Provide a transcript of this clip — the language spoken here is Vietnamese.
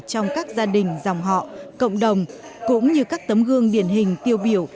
trong các gia đình dòng họ cộng đồng cũng như các tấm gương điển hình tiêu biểu